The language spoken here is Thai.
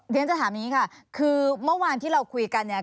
เดี๋ยวนี้ค่ะคือเมื่อวานที่เราคุยกันเนี่ย